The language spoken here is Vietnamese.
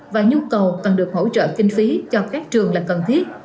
và nhu cầu cần được hỗ trợ kinh phí cho các trường là cần thiết